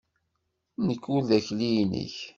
Nekk ur d akli-nnek!